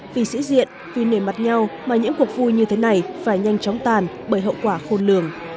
vì sĩ diện vì nề mặt nhau mà những cuộc vui như thế này phải nhanh chóng tàn bởi hậu quả khôn lường